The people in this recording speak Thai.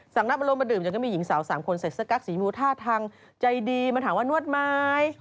สั่งนับมันลงมาดื่มจนก็มีหญิงสาว๓คนเสร็จสักกั๊กสีมิวท่าทางใจดีมาถามว่านวดไม้